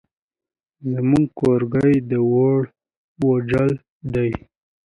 زموږ کورګی دی ووړ بوجل دی.